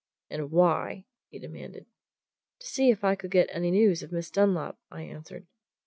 "And why?" he demanded. "To see if I could get any news of Miss Dunlop," I answered.